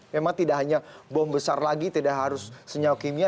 memang tidak hanya bom besar lagi tidak harus senyawa kimia